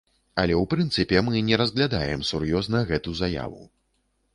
Але ў прынцыпе мы не разглядаем сур'ёзна гэту заяву.